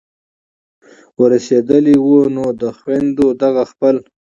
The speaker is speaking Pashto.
ور رسېدلي وو نو دې خویندو دغه خپل